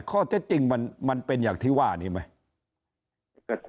ข้อเท็จจริงมันเป็นอย่างที่ว่านี้ไหม